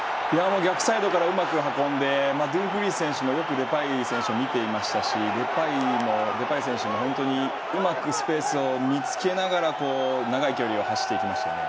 逆サイドからうまく運んでドゥンフリース選手がデパイ選手を見ていましたしデパイ選手もうまくスペースを見つけながら長い距離を走りましたね。